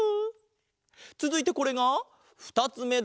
つづいてこれがふたつめだ。